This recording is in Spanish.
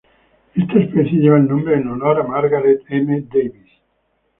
Esta especie lleva el nombre en honor a Margaret M. Davies.